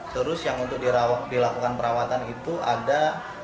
terus yang untuk dilakukan perawatan itu ada enam puluh tujuh